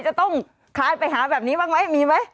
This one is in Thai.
จะต้องคลายไปหาแบบนี้บ้างไหมมีไหม